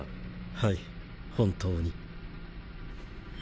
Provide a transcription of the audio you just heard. はい本当に。